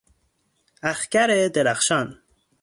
اخگر درخشان